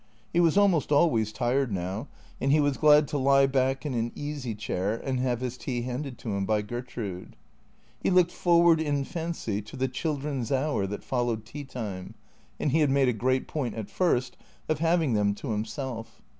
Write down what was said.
He was almost 461 463 THE CREATORS always tired now, and he was glad to lie back in an easy chair and have his tea handed to him by Gertrude. He looked for ward, in fancy, to the children's hour that followed tea time, and he had made a great point at first of having them to himself.